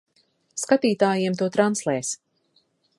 Skatītājiem to translēs.